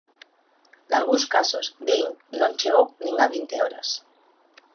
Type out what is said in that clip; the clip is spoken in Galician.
Nalgúns casos, din, non chegou nin a vinte horas.